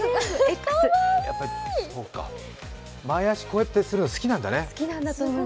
前足、こうやってするの、好きなんだね。